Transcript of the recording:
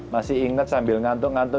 masih inget sambil ngantuk ngantuk